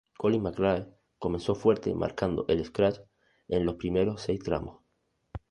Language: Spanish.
Colin McRae comenzó fuerte marcando el scratch en los primeros seis tramos.